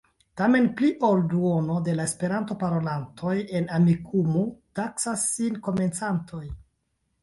Tamen pli ol duono de la Esperanto-parolantoj en Amikumu taksas sin komencantoj.